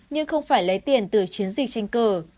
nhưng không phải lấy tiền từ chiến dịch tranh cử